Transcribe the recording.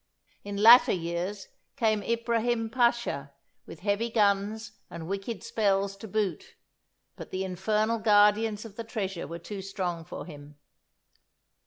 In latter years came Ibrahim Pasha, with heavy guns and wicked spells to boot, but the infernal guardians of the treasure were too strong for him.